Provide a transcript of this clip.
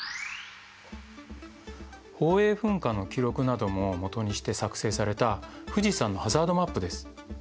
宝永噴火の記録などももとにして作成された富士山のハザードマップです。